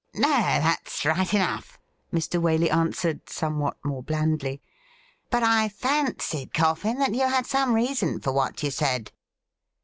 ' No, that's right enough,' Mr. Waley answered, some what more blandly. ' But I fancied. Coffin, that you had some reason for what you said.'